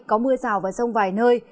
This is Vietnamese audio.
có mưa rào và rông vài nơi